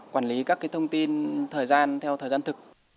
quản lý các thông tin thời gian theo thời gian thực